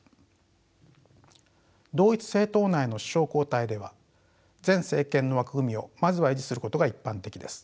同一政党内の首相交代では前政権の枠組みをまずは維持することが一般的です。